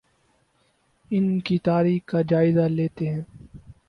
ان کی تاریخ کا جائزہ لیتے ہیں